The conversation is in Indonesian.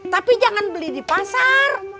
tapi jangan beli di pasar